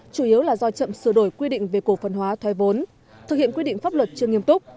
chủ yếu là do chậm sửa đổi quy định về cổ phần hóa thoái vốn thực hiện quy định pháp luật chưa nghiêm túc